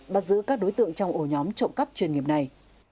bắt giữ các đối tượng trong ổ nhóm trộm cắp chuyên nghiệp này